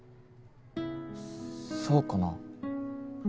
そうかな？